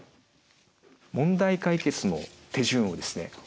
問題解決の手順をですね